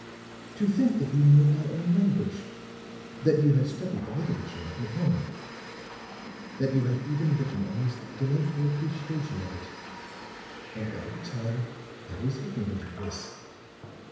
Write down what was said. "To think that you know my own language, that you have studied the literature of Nippon, that you have even written a most delightful appreciation of it. And all the time I was ignorant of this!